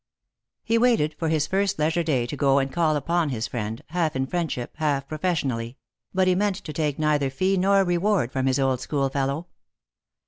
He waited for his first leisure day to go and call upon his friend, half in friendship, half professionally; but he meant to take neither fee nor reward from his old schoolfellow.